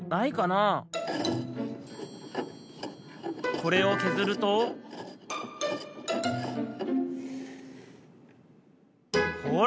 これをけずるとほら！